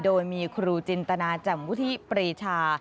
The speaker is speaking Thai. โดยมีครูจินตนาแจ่มวุฒิปรีชา